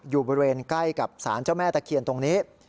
อยู่บริเวณใกล้กับสารเจ้าแม่ตะเคียนตรงนี้